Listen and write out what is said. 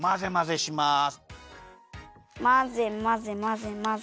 まぜまぜまぜまぜ。